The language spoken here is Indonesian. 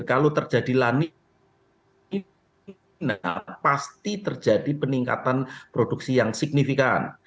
kalau terjadi lanina pasti terjadi peningkatan produksi yang signifikan